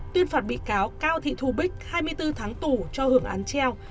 tuyên phạt bị cáo cao thị thù bích hai mươi bốn tháng tù cho hưởng án treo